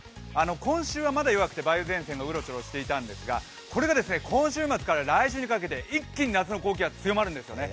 今週はまだ弱くて梅雨前線がうろちょろしていたんですが、これが今週末から来週にかけて一気に夏の高気圧強まるんですよね。